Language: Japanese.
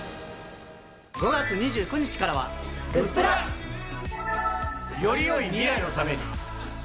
５月２９日からはグップラ。よりよい未来のために。